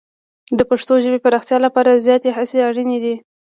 د پښتو ژبې پراختیا لپاره زیاتې هڅې اړینې دي.